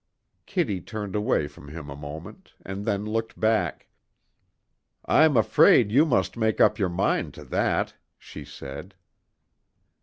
Kitty turned away from him a moment, and then looked back. "I'm afraid you must make up your mind to that," she said.